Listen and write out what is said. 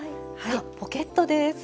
ポケットです。